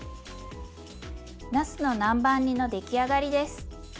なすの南蛮煮の出来上がりです。